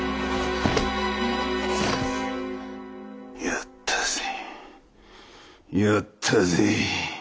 やったぜやったぜ。